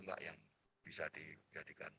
enggak yang bisa dijadikan